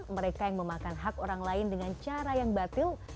mereka yang memakan hak orang lain dengan cara yang batil